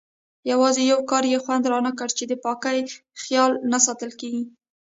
یوازې یو کار یې خوند رانه کړ چې د پاکۍ خیال نه ساتل کېږي.